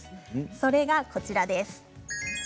それが、こちらです。